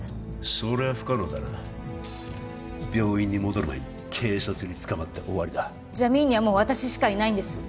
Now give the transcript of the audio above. それは不可能だな病院に戻る前に警察に捕まって終わりだジャミーンにはもう私しかいないんです